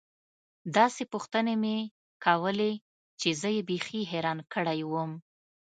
داسې پوښتنې يې کولې چې زه يې بيخي حيران کړى وم.